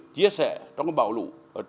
chia sẻ trong cái bão lũ